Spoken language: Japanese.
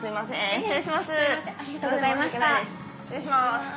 失礼します。